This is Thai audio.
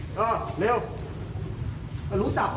เอาไงเอาไงเอาไง